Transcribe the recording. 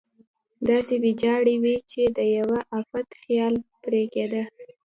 داسې ویجاړې وې چې د یوه افت خیال پرې کېده.